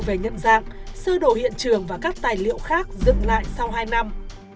về nhận dạng sơ đồ hiện trường và các tài liệu khác dựng lại sau hai năm